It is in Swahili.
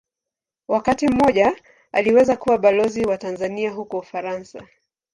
Wakati mmoja aliweza kuwa Balozi wa Tanzania huko Ufaransa.